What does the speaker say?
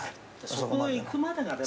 そこへいくまでがでも。